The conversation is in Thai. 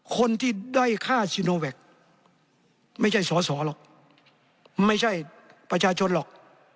คนที่ด้อยค่าซีโนแวคไม่ใช่สอสอหรอกไม่ใช่ประชาชนหรอก